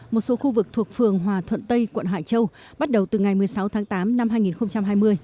một số khu vực thuộc phường hòa thuận tây quận hải châu bắt đầu từ ngày một mươi sáu tháng tám năm hai nghìn hai mươi